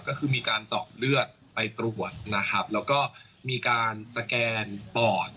ก็คือมีการเจาะเลือดไปตรวจนะครับแล้วก็มีการสแกนปอด